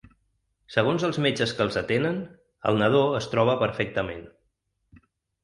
Segons els metges que els atenen, el nadó es troba perfectament.